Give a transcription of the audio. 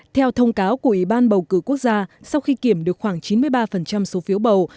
theo thông cáo của ủy ban bầu cử quốc gia sau khi kiểm tra bầu cử của tổng thống